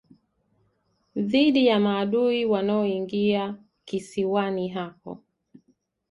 dhidi ya maadui wanaoingia ksiwani hapo